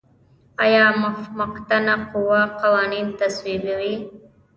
آیا مقننه قوه قوانین تصویبوي؟